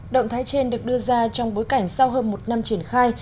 động thái trên được đưa ra trong bối cảnh sau hơn một năm triển khai